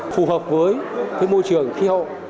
phù hợp với môi trường khí hậu